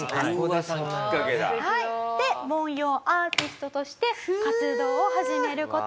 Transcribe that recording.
で文様アーティストとして活動を始める事になります。